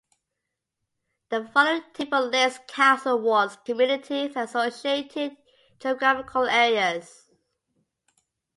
The following table lists council wards, communities and associated geographical areas.